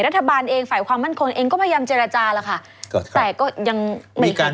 รัฐบาลเองฝ่ายความมั่นคงเองก็พยายามเจรจาแล้วค่ะแต่ก็ยังมีการ